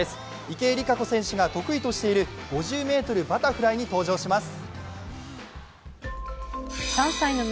池江璃花子選手が得意としている５０ｍバタフライに登場します。